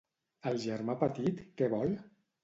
El germà petit, què vol?